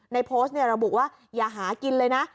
ในโพสต์ระบุว่าอย่าหากินเลยนะ